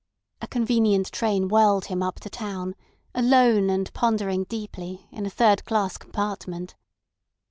A convenient train whirled him up to town, alone and pondering deeply, in a third class compartment.